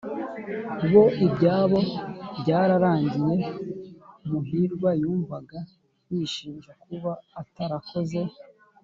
bo ibyabo byararangiye." muhirwa yumvaga yishinja kuba atarakoze